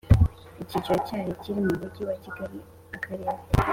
Icyicaro Cyayo Kiri Mu Mujyi Wa Kigali Akarere